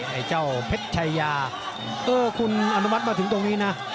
ไอ้เจ้าเพชรชายาเออคุณอนุมัติมาถึงตรงนี้นะ